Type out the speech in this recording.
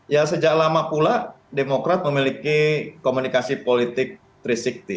ya sejak lama pula demokrat memiliki komunikasi politik tiga ratus enam puluh